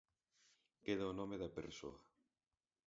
Queda o nome da persoa.